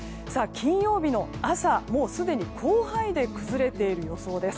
金曜日の朝、すでに広範囲で崩れている予想です。